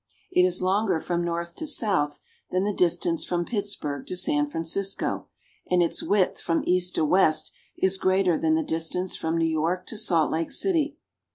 It is longer from north to south than the distance from Pittsburg to San Francisco, and its width from east to west is greater than the distance from New York to Salt Lake City.